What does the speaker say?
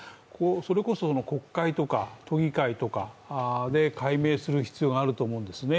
それこそ、国会とか、都議会とかで解明する必要があると思うんですね。